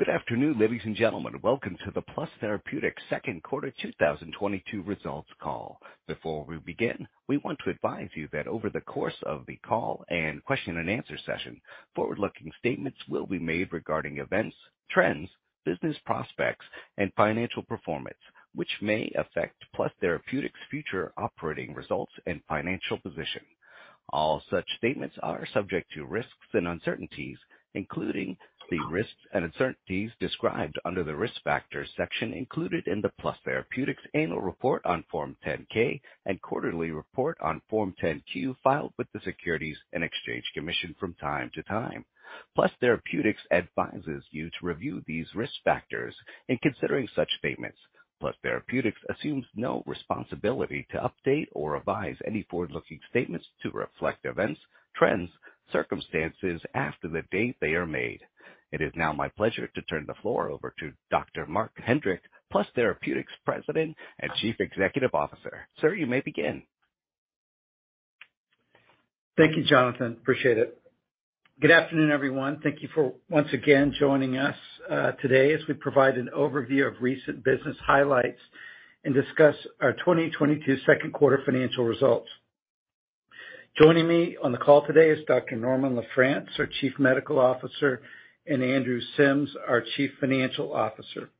Good afternoon, ladies and gentlemen. Welcome to the Plus Therapeutics second quarter 2022 results call. Before we begin, we want to advise you that over the course of the call and question and answer session, forward-looking statements will be made regarding events, trends, business prospects, and financial performance which may affect Plus Therapeutics' future operating results and financial position. All such statements are subject to risks and uncertainties, including the risks and uncertainties described under the Risk Factors section included in the Plus Therapeutics Annual Report on Form 10-K and Quarterly Report on Form 10-Q filed with the Securities and Exchange Commission from time to time. Plus Therapeutics advises you to review these risk factors in considering such statements. Plus Therapeutics assumes no responsibility to update or revise any forward-looking statements to reflect events, trends, circumstances after the date they are made. It is now my pleasure to turn the floor over to Dr. Marc Hedrick, Plus Therapeutics President and Chief Executive Officer. Sir, you may begin. Thank you, Jonathan. Appreciate it. Good afternoon, everyone. Thank you for once again joining us today as we provide an overview of recent business highlights and discuss our 2022 second quarter financial results. Joining me on the call today is Dr. Norman LaFrance, our Chief Medical Officer, and Andrew Sims, our Chief Financial Officer.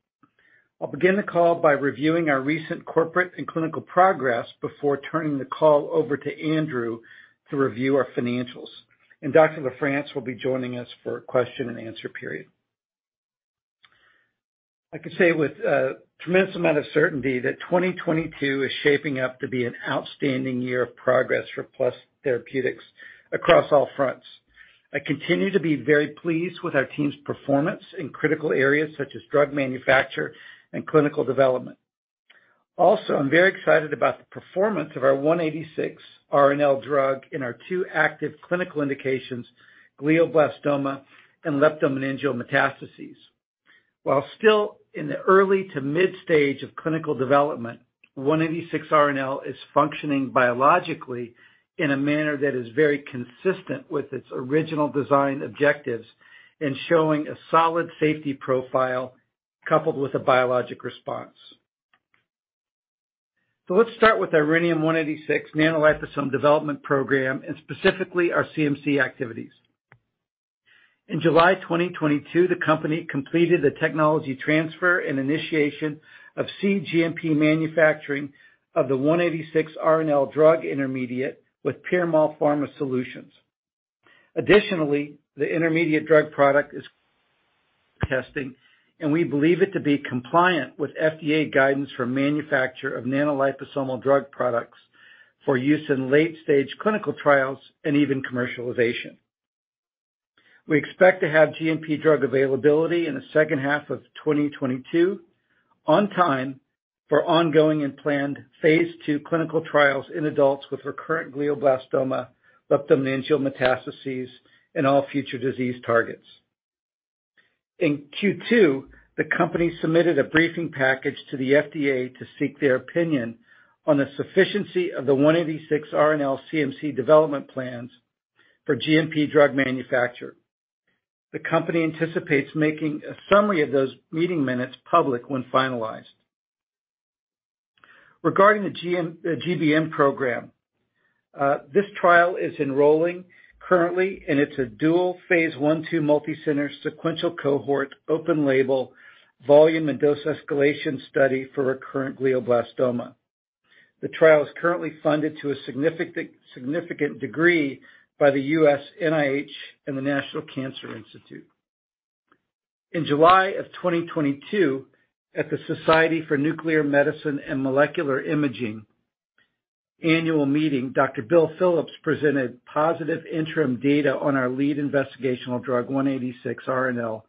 I'll begin the call by reviewing our recent corporate and clinical progress before turning the call over to Andrew to review our financials, and Dr. LaFrance will be joining us for question and answer period. I can say with a tremendous amount of certainty that 2022 is shaping up to be an outstanding year of progress for Plus Therapeutics across all fronts. I continue to be very pleased with our team's performance in critical areas such as drug manufacture and clinical development. I'm very excited about the performance of our 186RNL drug in our 2 active clinical indications, glioblastoma and leptomeningeal metastases. While still in the early to mid stage of clinical development, 186RNL is functioning biologically in a manner that is very consistent with its original design objectives and showing a solid safety profile coupled with a biologic response. Let's start with Rhenium-186 nanoliposome development program and specifically our CMC activities. In July 2022, the company completed a technology transfer and initiation of cGMP manufacturing of the 186RNL drug intermediate with Piramal Pharma Solutions. Additionally, the intermediate drug product is testing, and we believe it to be compliant with FDA guidance for manufacture of nanoliposomal drug products for use in late-stage clinical trials and even commercialization. We expect to have GMP drug availability in the second half of 2022 on time for ongoing and planned phase II clinical trials in adults with recurrent glioblastoma, leptomeningeal metastases, and all future disease targets. In Q2, the company submitted a briefing package to the FDA to seek their opinion on the sufficiency of the 186RNL CMC development plans for GMP drug manufacture. The company anticipates making a summary of those meeting minutes public when finalized. Regarding the GBM program, this trial is enrolling currently, and it's a dual phase I/II multi-center sequential cohort open label volume and dose escalation study for recurrent glioblastoma. The trial is currently funded to a significant degree by the U.S. NIH and the National Cancer Institute. In July 2022, at the Society for Nuclear Medicine and Molecular Imaging annual meeting, Dr. Bill Phillips presented positive interim data on our lead investigational drug 186RNL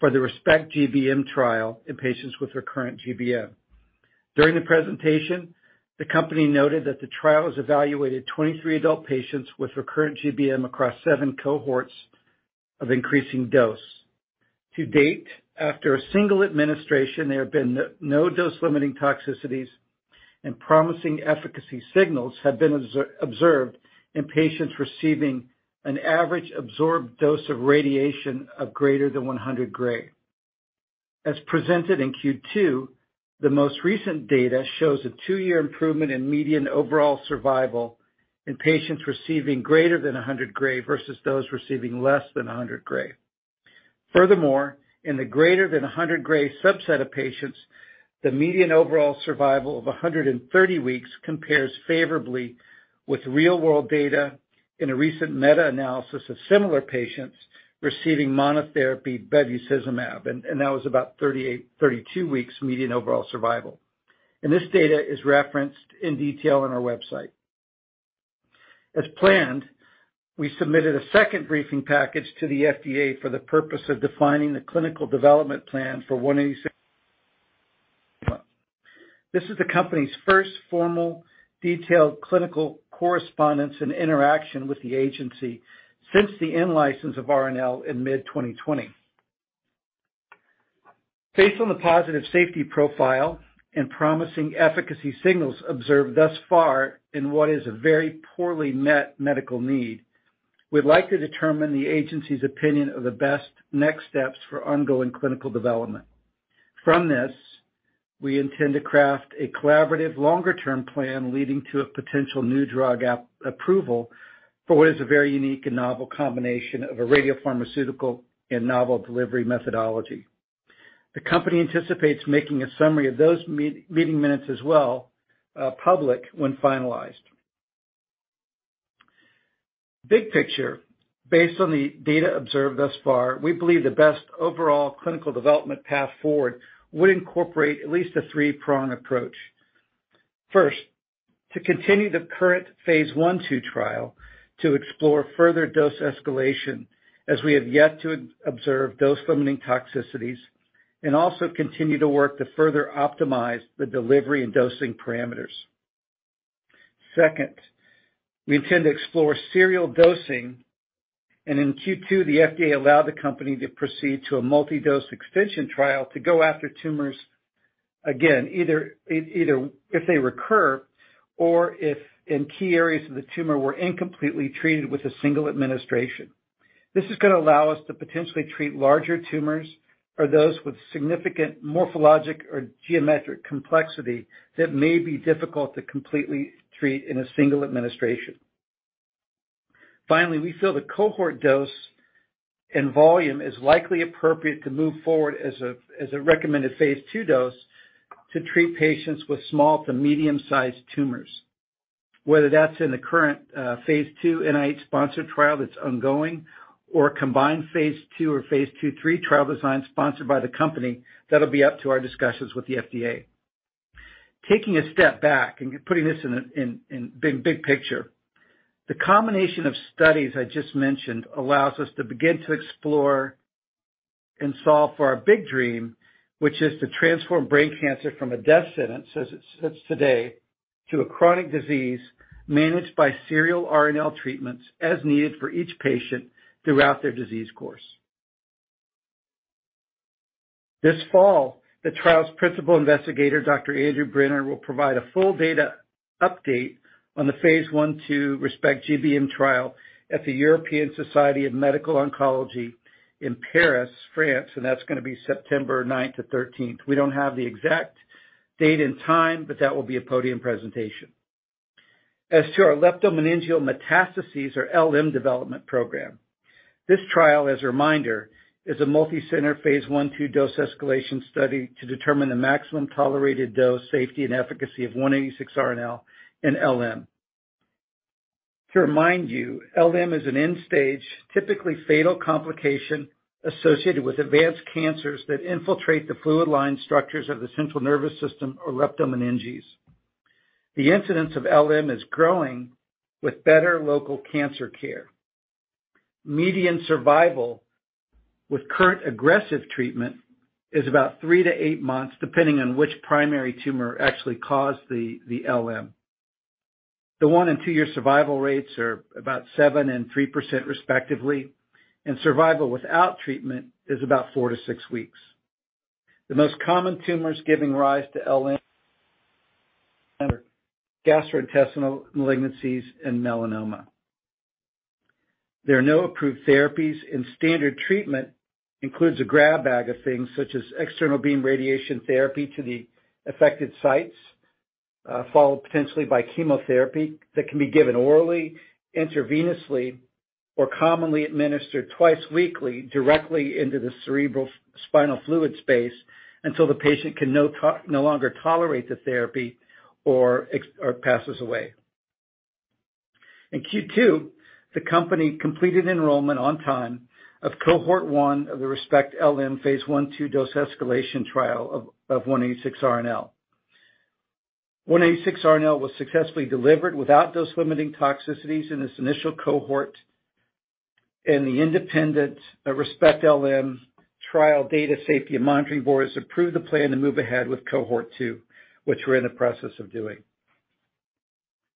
for the ReSPECT-GBM trial in patients with recurrent GBM. During the presentation, the company noted that the trial has evaluated 23 adult patients with recurrent GBM across 7 cohorts of increasing dose. To date, after a single administration, there have been no dose-limiting toxicities and promising efficacy signals have been observed in patients receiving an average absorbed dose of radiation of greater than 100 Gray. As presented in Q2, the most recent data shows a two-year improvement in median overall survival in patients receiving greater than 100 Gray versus those receiving less than 100 Gray. Furthermore, in the greater than 100 Gray subset of patients, the median overall survival of 130 weeks compares favorably with real-world data in a recent meta-analysis of similar patients receiving monotherapy bevacizumab, and that was about 32 weeks median overall survival. This data is referenced in detail on our website. As planned, we submitted a second briefing package to the FDA for the purpose of defining the clinical development plan for 186RNL. This is the company's first formal detailed clinical correspondence and interaction with the agency since the in-license of RNL in mid-2020. Based on the positive safety profile and promising efficacy signals observed thus far in what is a very unmet medical need, we'd like to determine the agency's opinion of the best next steps for ongoing clinical development. From this, we intend to craft a collaborative longer-term plan leading to a potential new drug approval for what is a very unique and novel combination of a radiopharmaceutical and novel delivery methodology. The company anticipates making a summary of those meeting minutes as well, public when finalized. Big picture, based on the data observed thus far, we believe the best overall clinical development path forward would incorporate at least a 3-prong approach. First, to continue the current phase I/II trial to explore further dose escalation as we have yet to observe dose-limiting toxicities and also continue to work to further optimize the delivery and dosing parameters. Second, we intend to explore serial dosing, and in Q2, the FDA allowed the company to proceed to a multi-dose extension trial to go after tumors, again, either if they recur or if in key areas of the tumor were incompletely treated with a single administration. This is gonna allow us to potentially treat larger tumors or those with significant morphologic or geometric complexity that may be difficult to completely treat in a single administration. Finally, we feel the cohort dose and volume is likely appropriate to move forward as a recommended phase II dose to treat patients with small to medium-sized tumors. Whether that's in the current phase II NIH-sponsored trial that's ongoing or a combined phase II or phase II/III trial design sponsored by the company, that'll be up to our discussions with the FDA. Taking a step back and putting this in a big picture, the combination of studies I just mentioned allows us to begin to explore and solve for our big dream, which is to transform brain cancer from a death sentence, as it sits today, to a chronic disease managed by serial RNL treatments as needed for each patient throughout their disease course. This fall, the trial's principal investigator, Dr. Andrew Brenner, will provide a full data update on the phase I/II ReSPECT-GBM trial at the European Society for Medical Oncology in Paris, France, and that's gonna be September ninth to thirteenth. We don't have the exact date and time, but that will be a podium presentation. As to our leptomeningeal metastases or LM development program, this trial, as a reminder, is a multicenter phase I/II dose escalation study to determine the maximum tolerated dose, safety, and efficacy of 186RNL in LM. To remind you, LM is an end-stage, typically fatal complication associated with advanced cancers that infiltrate the fluid-lined structures of the central nervous system or leptomeninges. The incidence of LM is growing with better local cancer care. Median survival with current aggressive treatment is about 3-8 months, depending on which primary tumor actually caused the LM. The 1- and 2-year survival rates are about 7% and 3% respectively, and survival without treatment is about 4-6 weeks. The most common tumors giving rise to LM are gastrointestinal malignancies and melanoma. There are no approved therapies, and standard treatment includes a grab bag of things such as external beam radiation therapy to the affected sites, followed potentially by chemotherapy that can be given orally, intravenously, or commonly administered twice weekly directly into the cerebrospinal fluid space until the patient can no longer tolerate the therapy or passes away. In Q2, the company completed enrollment on time of cohort 1 of the ReSPECT-LM phase I/II dose escalation trial of 186RNL. 186RNL was successfully delivered without dose-limiting toxicities in its initial cohort, and the independent ReSPECT-LM trial data safety and monitoring boards approved the plan to move ahead with cohort 2, which we're in the process of doing.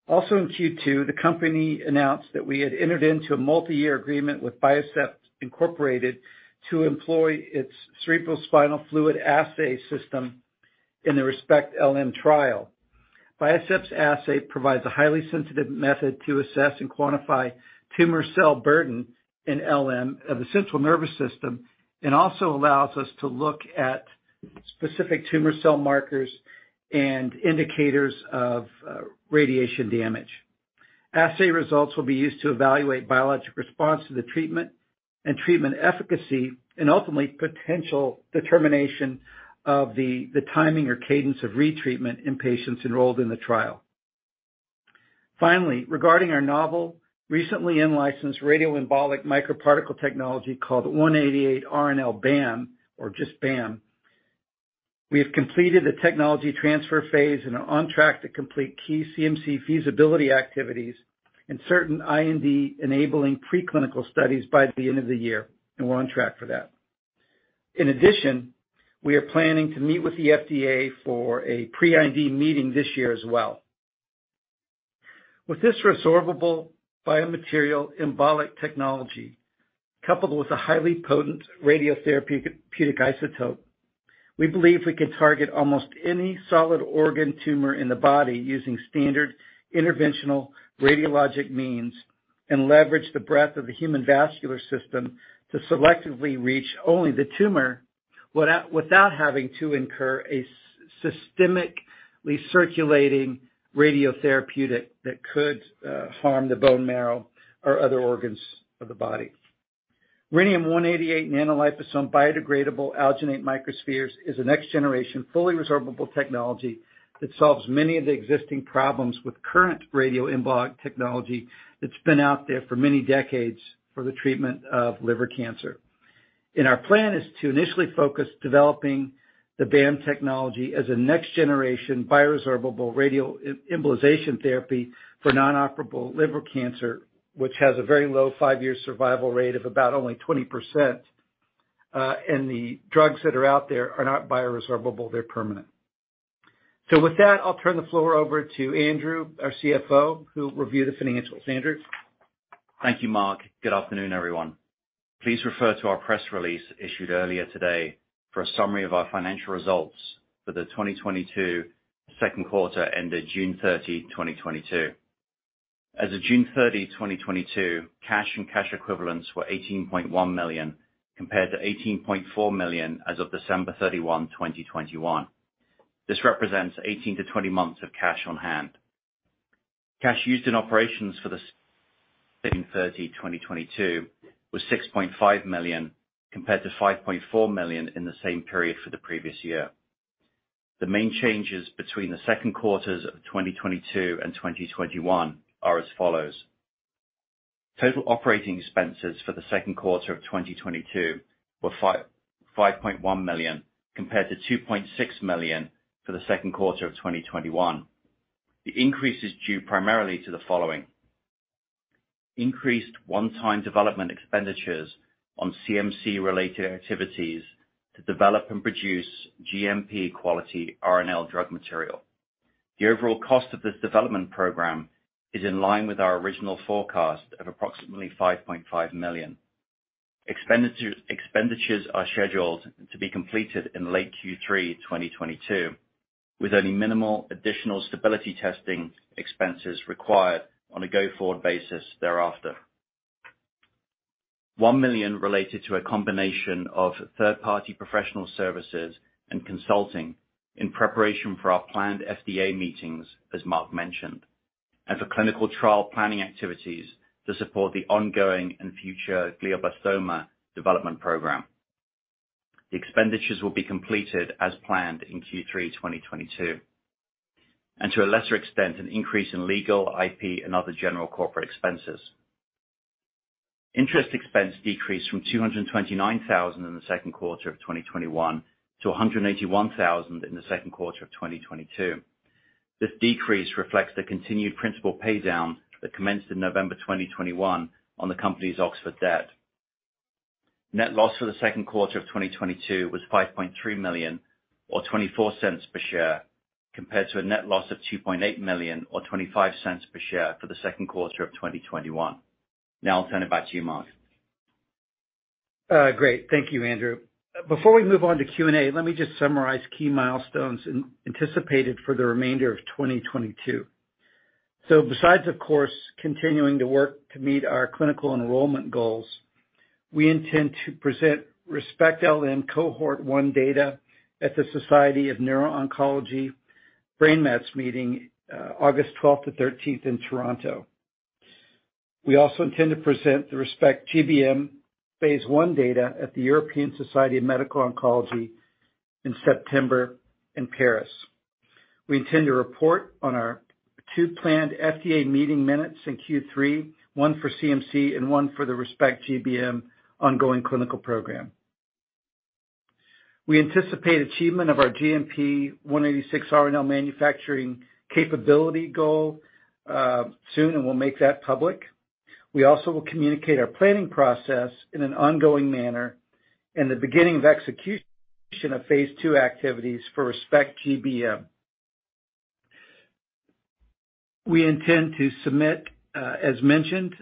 Also in Q2, the company announced that we had entered into a multiyear agreement with Biocept, Inc. to employ its CNSide in the ReSPECT-LM trial. Biocept's assay provides a highly sensitive method to assess and quantify tumor cell burden in LM of the central nervous system and also allows us to look at specific tumor cell markers and indicators of radiation damage. Assay results will be used to evaluate biologic response to the treatment and treatment efficacy and ultimately potential determination of the timing or cadence of retreatment in patients enrolled in the trial. Finally, regarding our novel, recently in-licensed radio-embolic microparticle technology called 188RNL-BAM, or just BAM, we have completed the technology transfer phase and are on track to complete key CMC feasibility activities and certain IND-enabling preclinical studies by the end of the year, and we're on track for that. In addition, we are planning to meet with the FDA for a pre-IND meeting this year as well. With this resorbable biomaterial embolic technology, coupled with a highly potent radiotherapeutic isotope, we believe we can target almost any solid organ tumor in the body using standard interventional radiologic means, and leverage the breadth of the human vascular system to selectively reach only the tumor without having to incur a systemically circulating radiotherapeutic that could harm the bone marrow or other organs of the body. Rhenium-188 NanoLiposome Biodegradable Alginate Microspheres is a next-generation, fully resorbable technology that solves many of the existing problems with current radioembolic technology that's been out there for many decades for the treatment of liver cancer. Our plan is to initially focus developing the BAM technology as a next-generation bioresorbable radioembolization therapy for non-operable liver cancer, which has a very low five-year survival rate of about only 20%, and the drugs that are out there are not bioresorbable, they're permanent. With that, I'll turn the floor over to Andrew, our CFO, who'll review the financials. Thank you, Marc. Good afternoon, everyone. Please refer to our press release issued earlier today for a summary of our financial results for the 2022 second quarter ended June 30, 2022. As of June 30, 2022, cash and cash equivalents were $18.1 million, compared to $18.4 million as of December 31, 2021. This represents 18-20 months of cash on hand. Cash used in operations for the June 30, 2022 was $6.5 million compared to $5.4 million in the same period for the previous year. The main changes between the second quarters of 2022 and 2021 are as follows. Total operating expenses for the second quarter of 2022 were $5.1 million compared to $2.6 million for the second quarter of 2021. The increase is due primarily to the following. Increased one-time development expenditures on CMC-related activities to develop and produce GMP quality RNL drug material. The overall cost of this development program is in line with our original forecast of approximately $5.5 million. Expenditures are scheduled to be completed in late Q3 2022, with only minimal additional stability testing expenses required on a go-forward basis thereafter. $1 million related to a combination of third-party professional services and consulting in preparation for our planned FDA meetings, as Marc mentioned, and for clinical trial planning activities to support the ongoing and future glioblastoma development program. The expenditures will be completed as planned in Q3 2022. To a lesser extent, an increase in legal, IP, and other general corporate expenses. Interest expense decreased from $229,000 in the second quarter of 2021 to $181,000 in the second quarter of 2022. This decrease reflects the continued principal pay down that commenced in November 2021 on the company's Oxford debt. Net loss for the second quarter of 2022 was $5.3 million or $0.24 per share, compared to a net loss of $2.8 million or $0.25 per share for the second quarter of 2021. Now I'll turn it back to you, Marc. Great. Thank you, Andrew. Before we move on to Q&A, let me just summarize key milestones anticipated for the remainder of 2022. Besides, of course, continuing to work to meet our clinical enrollment goals, we intend to present ReSPECT-LM Cohort 1 data at the Society for Neuro-Oncology Brain Mets Meeting, August 12-13 in Toronto. We also intend to present the ReSPECT-GBM Phase I data at the European Society of Medical Oncology in September in Paris. We intend to report on our two planned FDA meetings in Q3, one for CMC and one for the ReSPECT-GBM ongoing clinical program. We anticipate achievement of our GMP 186RNL manufacturing capability goal, soon, and we'll make that public. We also will communicate our planning process in an ongoing manner and the beginning of execution of Phase II activities for ReSPECT-GBM. We intend to submit, as mentioned,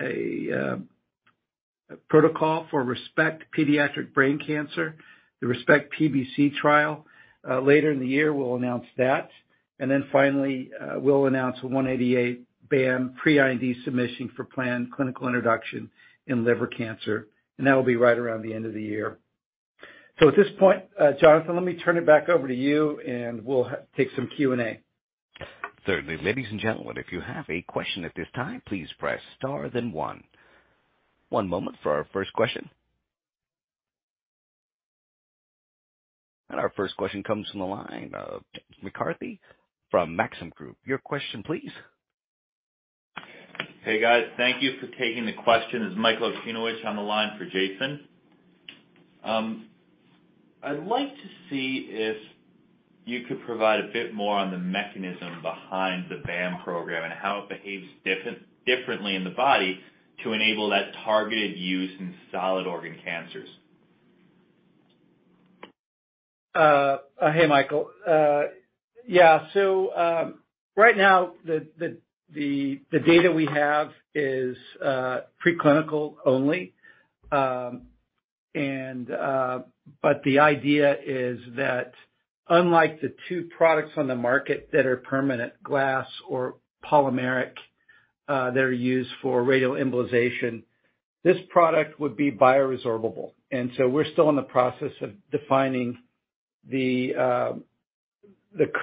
a protocol for ReSPECT pediatric brain cancer, the ReSPECT-PBC trial. Later in the year, we'll announce that. Then finally, we'll announce 188RNL-BAM pre-IND submission for planned clinical introduction in liver cancer, and that will be right around the end of the year. At this point, Jonathan, let me turn it back over to you and we'll take some Q&A. Certainly. Ladies and gentlemen, if you have a question at this time, please press star then one. One moment for our first question. Our first question comes from the line of Jason McCarthy from Maxim Group. Your question please. Hey, guys. Thank you for taking the question. This is Michael Okunewitch on the line for Jason. I'd like to see if you could provide a bit more on the mechanism behind the BAM program and how it behaves differently in the body to enable that targeted use in solid organ cancers. Hey, Michael. Yeah. Right now the data we have is preclinical only. The idea is that unlike the two products on the market that are permanent glass or polymeric that are used for radioembolization, this product would be bioresorbable. We're still in the process of defining the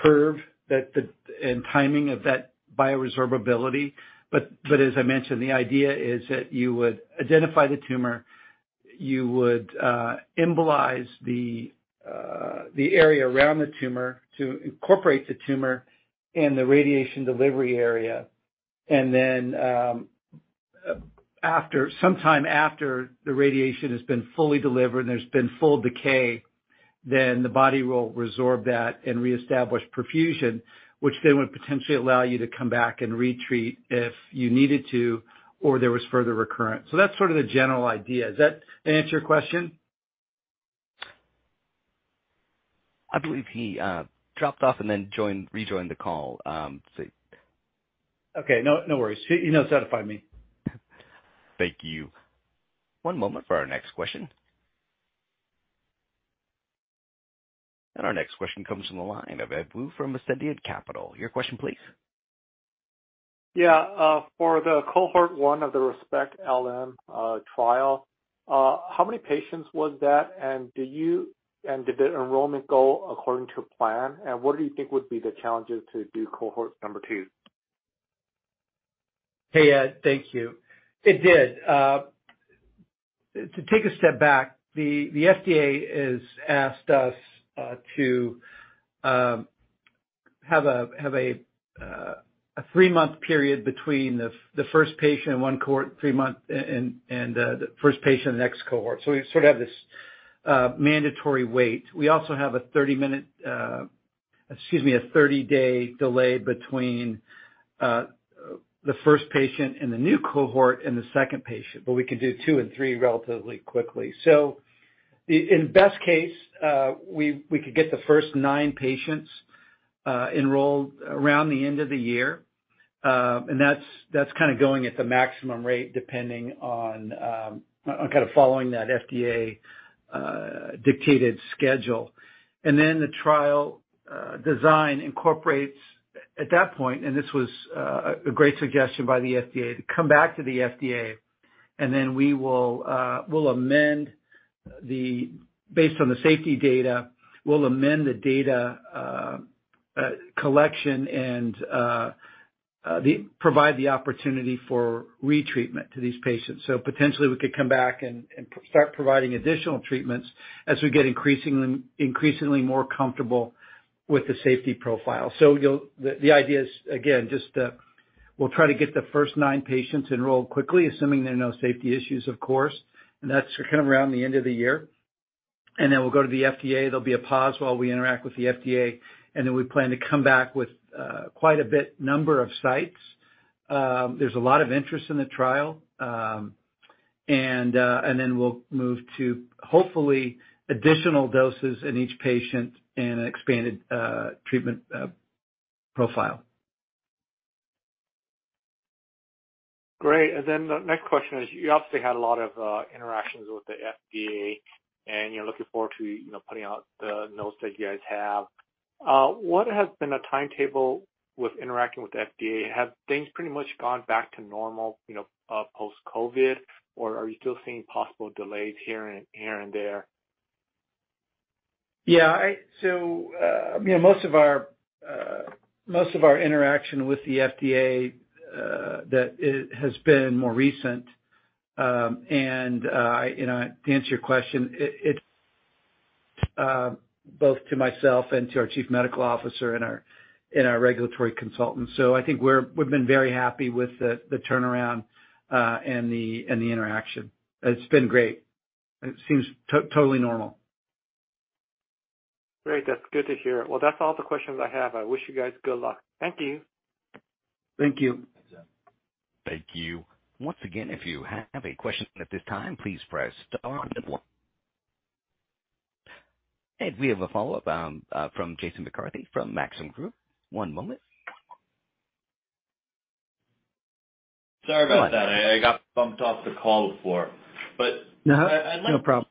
curve and timing of that bioresorbability. As I mentioned, the idea is that you would identify the tumor, you would embolize the area around the tumor to incorporate the tumor in the radiation delivery area. Sometime after the radiation has been fully delivered and there's been full decay, the body will resorb that and reestablish perfusion, which then would potentially allow you to come back and re-treat if you needed to or there was further recurrence. That's sort of the general idea. Does that answer your question? I believe he dropped off and then rejoined the call. Let's see. Okay. No, no worries. He knows how to find me. Thank you. One moment for our next question. Our next question comes from the line of Edward Woo from Ascendiant Capital. Your question please. For the Cohort 1 of the ReSPECT-LM trial, how many patients was that? And did the enrollment go according to plan? And what do you think would be the challenges to do Cohort 2? Hey, Ed. Thank you. It did. To take a step back, the FDA has asked us to have a three-month period between the first patient in one cohort and the first patient in the next cohort. We sort of have this mandatory wait. We also have a thirty-day delay between the first patient in the new cohort and the second patient, but we can do two and three relatively quickly. In best case, we could get the first nine patients enrolled around the end of the year. That's kind of going at the maximum rate depending on following that FDA dictated schedule. The trial design incorporates at that point, and this was a great suggestion by the FDA, to come back to the FDA, and then we will amend the data collection based on the safety data and provide the opportunity for retreatment to these patients. Potentially we could come back and start providing additional treatments as we get increasingly more comfortable with the safety profile. The idea is, again, just we'll try to get the first nine patients enrolled quickly, assuming there are no safety issues, of course, and that's kind of around the end of the year. Then we'll go to the FDA. There'll be a pause while we interact with the FDA, and then we plan to come back with quite a number of sites. There's a lot of interest in the trial. We'll move to hopefully additional doses in each patient and expanded treatment profile. Great. The next question is, you obviously had a lot of interactions with the FDA, and you're looking forward to, you know, putting out the notes that you guys have. What has been the timetable with interacting with the FDA? Have things pretty much gone back to normal, you know, post-COVID, or are you still seeing possible delays here and there? Yeah, you know, most of our interaction with the FDA that it has been more recent. You know, to answer your question, it both to myself and to our Chief Medical Officer and our regulatory consultants. I think we've been very happy with the turnaround and the interaction. It's been great. It seems totally normal. Great. That's good to hear. Well, that's all the questions I have. I wish you guys good luck. Thank you. Thank you. Thank you. Once again, if you have a question at this time, please press star on your phone. We have a follow-up from Jason McCarthy from Maxim Group. One moment. Sorry about that. I got bumped off the call before, but. No, no problem.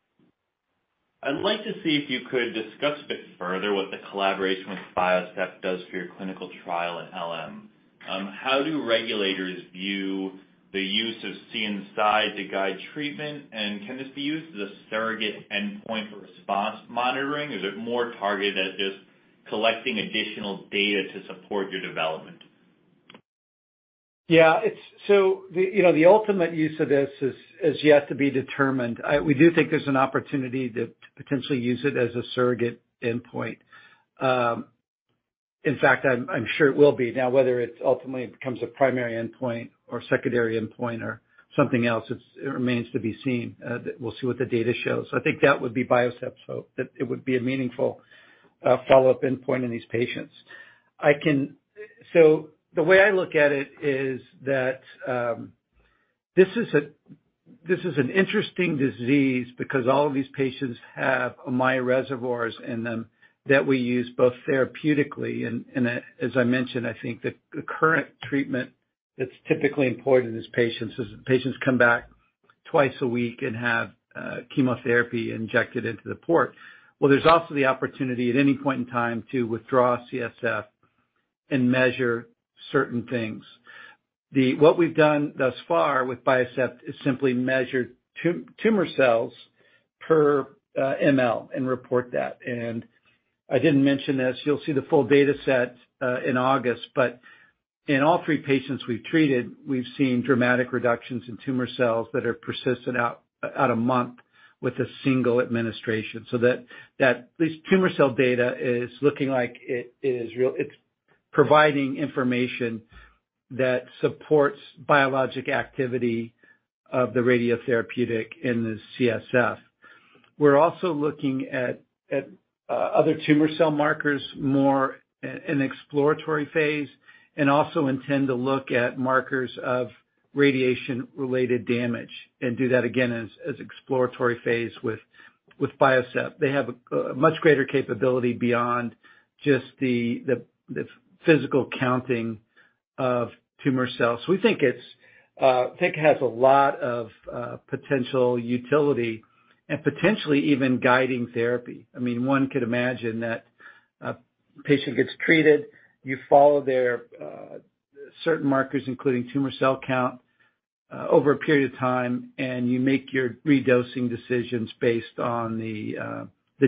I'd like to see if you could discuss a bit further what the collaboration with Biocept does for your clinical trial at LM. How do regulators view the use of CNSide to guide treatment? Can this be used as a surrogate endpoint for response monitoring? Is it more targeted at just collecting additional data to support your development? Yeah, it's the, you know, the ultimate use of this is yet to be determined. We do think there's an opportunity to potentially use it as a surrogate endpoint. In fact, I'm sure it will be. Now, whether it ultimately becomes a primary endpoint or secondary endpoint or something else, it remains to be seen. We'll see what the data shows. I think that would be Biocept's hope, that it would be a meaningful follow-up endpoint in these patients. The way I look at it is that this is an interesting disease because all of these patients have Ommaya reservoirs in them that we use both therapeutically and as I mentioned, I think the current treatment that's typically employed in these patients is patients come back twice a week and have chemotherapy injected into the port. Well, there's also the opportunity at any point in time to withdraw CSF and measure certain things. What we've done thus far with Biocept is simply measure tumor cells per ML and report that. I didn't mention this. You'll see the full data set in August, but in all three patients we've treated, we've seen dramatic reductions in tumor cells that have persisted out a month with a single administration. This tumor cell data is looking like it is real. It's providing information that supports biologic activity of the radiotherapeutic in the CSF. We're also looking at other tumor cell markers, more in exploratory phase, and also intend to look at markers of radiation-related damage and do that again as exploratory phase with Biocept. They have a much greater capability beyond just the physical counting of tumor cells. We think it has a lot of potential utility and potentially even guiding therapy. I mean, one could imagine that a patient gets treated, you follow their certain markers, including tumor cell count, over a period of time, and you make your redosing decisions based on the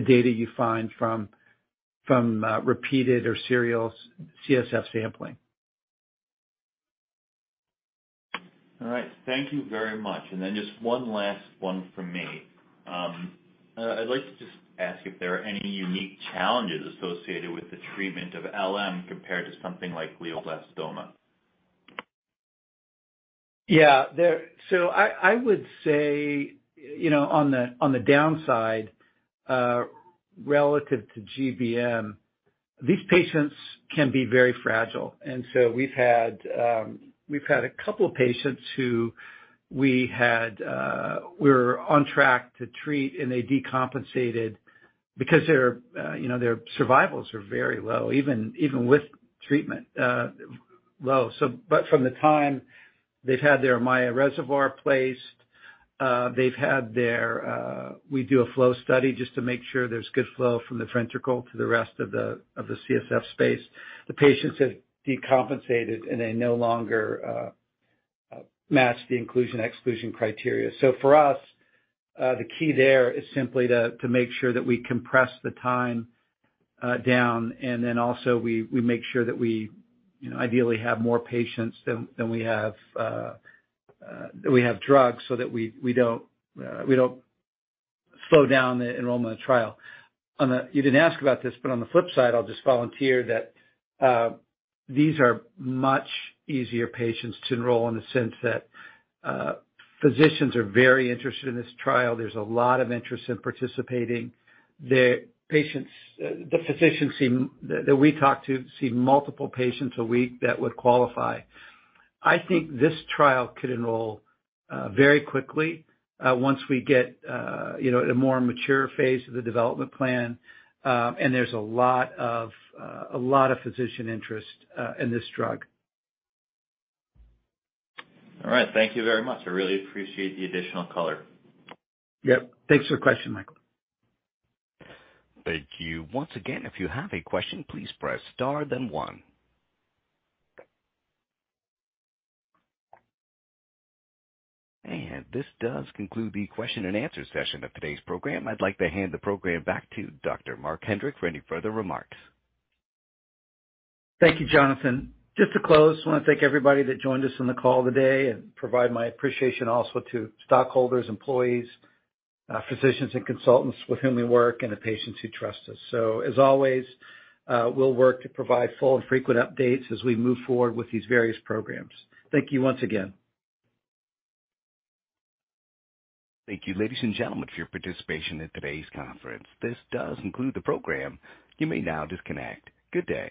data you find from repeated or serial CSF sampling. All right. Thank you very much. Just one last one from me. I'd like to just ask if there are any unique challenges associated with the treatment of LM compared to something like glioblastoma. Yeah. I would say, you know, on the downside, relative to GBM, these patients can be very fragile. We've had a couple of patients who we were on track to treat, and they decompensated because their, you know, their survivals are very low, even with treatment, low. From the time they've had their Ommaya reservoir placed, we do a flow study just to make sure there's good flow from the ventricle to the rest of the CSF space. The patients have decompensated, and they no longer match the inclusion/exclusion criteria. For us, the key there is simply to make sure that we compress the time down, and then also we make sure that we you know ideally have more patients than we have drugs so that we don't slow down the enrollment trial. You didn't ask about this, but on the flip side, I'll just volunteer that these are much easier patients to enroll in the sense that physicians are very interested in this trial. There's a lot of interest in participating. The physicians that we talk to see multiple patients a week that would qualify. I think this trial could enroll very quickly once we get, you know, at a more mature phase of the development plan, and there's a lot of physician interest in this drug. All right. Thank you very much. I really appreciate the additional color. Yep. Thanks for question, Michael. Thank you. Once again, if you have a question, please press Star then one. This does conclude the question and answer session of today's program. I'd like to hand the program back to Dr. Marc Hedrick for any further remarks. Thank you, Jonathan. Just to close, wanna thank everybody that joined us on the call today and provide my appreciation also to stockholders, employees, physicians and consultants with whom we work and the patients who trust us. As always, we'll work to provide full and frequent updates as we move forward with these various programs. Thank you once again. Thank you, ladies and gentlemen, for your participation in today's conference. This does conclude the program. You may now disconnect. Good day.